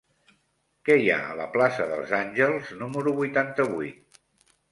Què hi ha a la plaça dels Àngels número vuitanta-vuit?